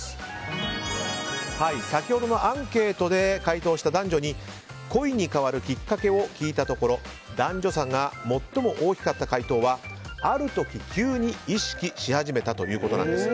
先ほどのアンケートで回答した男女に恋に変わるきっかけを聞いたところ男女差が最も大きかった回答はある時、急に意識し始めたということなんです。